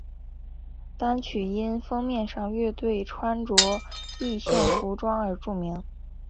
单曲因封面上乐队穿着异性服装而著名。